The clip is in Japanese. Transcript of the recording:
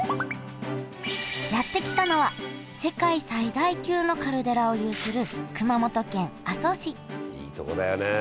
やって来たのは世界最大級のカルデラを有する熊本県阿蘇市いいとこだよね